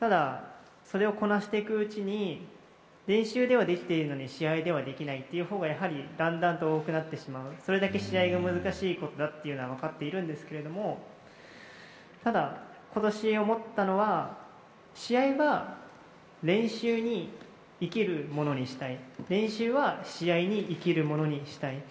ただ、それをこなしていくうちに、練習ではできているのに試合ではできないっていうほうが、やはりだんだんと多くなってしまう、それだけ試合が難しいことだっていうのは分かっているんですけれども、ただ、ことし思ったのは、試合が練習に生きるものにしたい、練習は試合に生きるものにしたい。